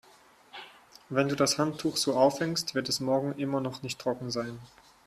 Wenn du das Handtuch so aufhängst, wird es morgen immer noch nicht trocken sein.